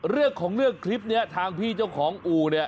เรื่องของเรื่องคลิปนี้ทางพี่เจ้าของอู่เนี่ย